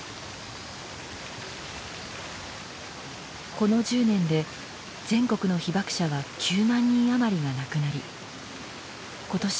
この１０年で全国の被爆者は９万人余りが亡くなり今年